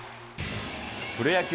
プロ野球